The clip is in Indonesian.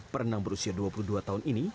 perenang berusia dua puluh dua tahun ini